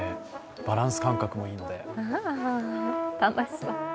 バランス感覚もいいので。